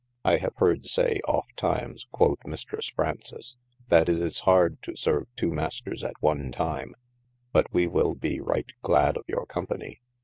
I have hearde saye ofte times (quod Mistresse Fraunqi) that it is harde to serve two Maysters at one time, but we wyll be ryght glad of your company.